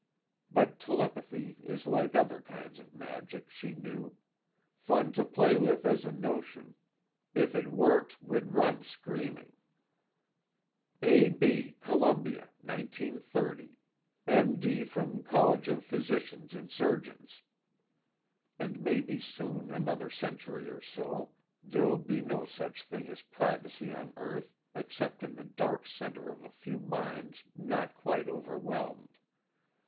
_ But telepathy is like other kinds of magic, she knew: fun to play with as a notion; if it worked, we'd run screaming. "A.B. Columbia, 1930, M.D. from College of Physicians and Surgeons." And maybe soon, another century or so, there'll be no such thing as privacy on earth except in the dark center of a few minds not quite overwhelmed.